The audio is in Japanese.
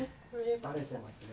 バレてますね。